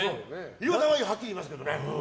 飯尾さんははっきり言いますけどね。